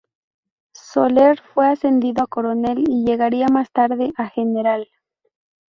Soler fue ascendido a coronel y llegaría más tarde a general.